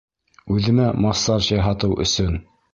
Үҙемә массаж яһатыу өсөн!